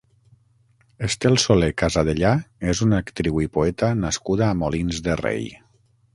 Estel Solé Casadellà és una actriu i poeta nascuda a Molins de Rei.